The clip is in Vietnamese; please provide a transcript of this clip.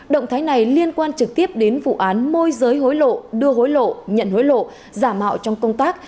động thái này liên quan trực tiếp đến vụ án môi giới hối lộ đưa hối lộ nhận hối lộ giả mạo trong công tác